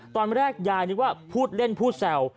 ตอนแรกยายนึกว่าพูดเล่นพูดแซว